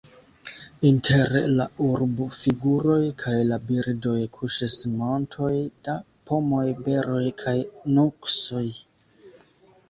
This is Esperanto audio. Inter la urbfiguroj kaj la birdoj kuŝis montoj da pomoj, beroj kaj nuksoj.